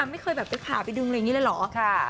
ไม่เคยแบบไปผ่าไปดึงอะไรอย่างนี้เลยเหรอ